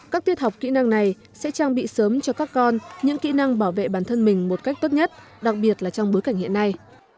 các tiết học kỹ năng này sẽ trang bị sớm cho các con những kỹ năng bảo vệ bản thân mình một cách tốt nhất đặc biệt là trong bối cảnh hiện nay